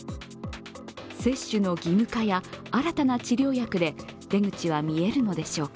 接種の義務化や新たな治療薬で出口は見えるのでしょうか。